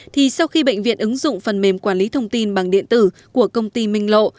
thì sau khi bệnh viện ứng dụng phần mềm quản lý thông tin bằng điện tử của công ty minh lộ